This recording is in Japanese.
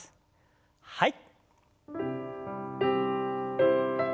はい。